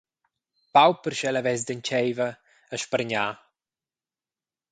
Pauper sch’el havess d’entscheiva a spargnar.